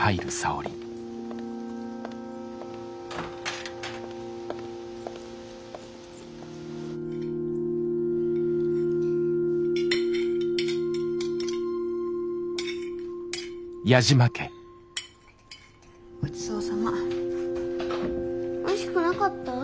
おいしくなかった？